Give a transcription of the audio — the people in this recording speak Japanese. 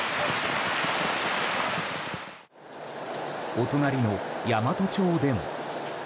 お隣の山都町でも。